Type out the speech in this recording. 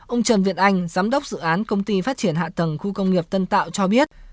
ông trần việt anh giám đốc dự án công ty phát triển hạ tầng khu công nghiệp tân tạo cho biết